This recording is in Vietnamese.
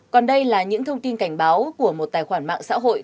còn đây là những thông tin cảnh báo của một tài khoản mạng xã hội